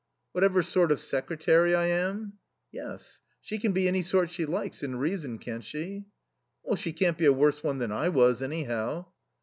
"Whatever sort of secretary I am?" "Yes. She can be any sort she likes, in reason, can't she?" "She can't be a worse one than I was, anyhow."